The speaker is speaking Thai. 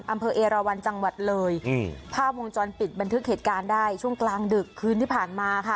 อำเภอเอราวันจังหวัดเลยอืมภาพวงจรปิดบันทึกเหตุการณ์ได้ช่วงกลางดึกคืนที่ผ่านมาค่ะ